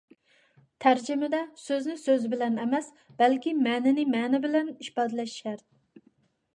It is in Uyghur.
تەرجىمىدە «سۆزنى سۆز بىلەن» ئەمەس، بەلكى «مەنىنى مەنە بىلەن» ئىپادىلەش شەرت.